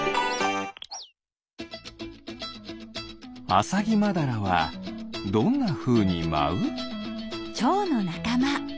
アサギマダラはどんなふうにまう？